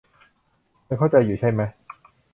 มึงเข้าใจอยู่ใช่มะ